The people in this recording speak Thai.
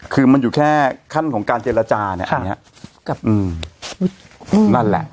คือมันอยู่แค่ขั้นของการเจรจาเนี้ยอันเนี้ยครับอืมนั่นแหละ